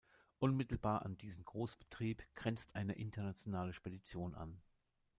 Unmittelbar an diesen Großbetrieb grenzt eine Internationale Spedition an.